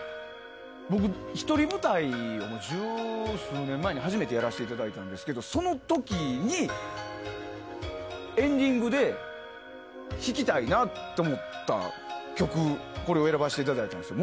僕、一人舞台を十数年前に初めてやらさせていただいたんですけどその時にエンディングで弾きたいなと思った曲でこれを選ばせていただいたんですよ。